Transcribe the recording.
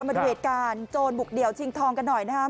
มาดูเหตุการณ์โจรบุกเดี่ยวชิงทองกันหน่อยนะครับ